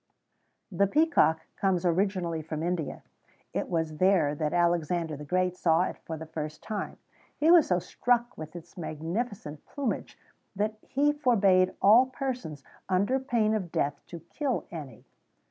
The peacock comes originally from India: it was there that Alexander the Great saw it for the first time. He was so struck with its magnificent plumage that he forbad all persons, under pain of death, to kill any.